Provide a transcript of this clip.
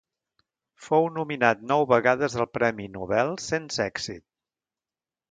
Fou nominat nou vegades al premi Nobel sense èxit.